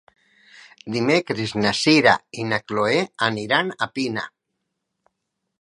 Dimecres na Sira i na Chloé aniran a Pina.